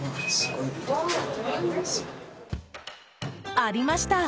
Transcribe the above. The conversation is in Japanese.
ありました！